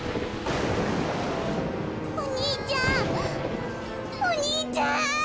お兄ちゃんお兄ちゃん！